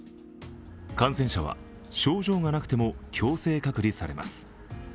感染者は症状がなくても強制隔離されます。